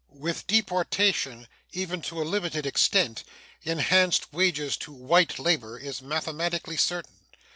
With deportation, even to a limited extent, enhanced wages to white labor is mathematically certain.